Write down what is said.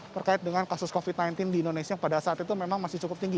terkait dengan kasus covid sembilan belas di indonesia yang pada saat itu memang masih cukup tinggi